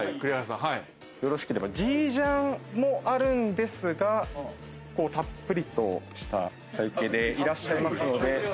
よろしければジージャンもあるんですがたっぷりとした体形でいらっしゃいますので。